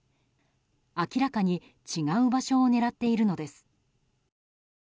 明らかに違う場所を狙っているのです。